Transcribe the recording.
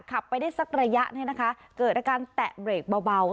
ขับไปได้สักระยะเนี่ยนะคะเกิดอาการแตะเบรกเบา